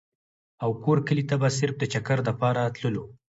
او کور کلي ته به صرف د چکر دپاره تللو ۔